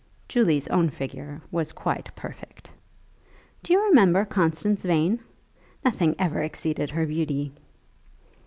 Julia's own figure was quite perfect. "Do you remember Constance Vane? Nothing ever exceeded her beauty."